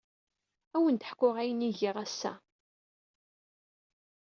Ad awen-d-ḥkuɣ ayen ay giɣ ass-a.